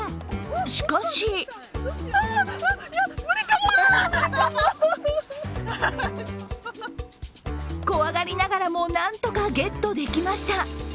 しかし怖がりながらもなんとかゲットできました。